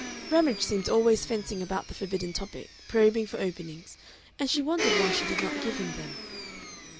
Ramage seemed always fencing about the forbidden topic, probing for openings, and she wondered why she did not give him them.